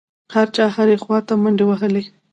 هر چا هرې خوا ته منډې وهلې.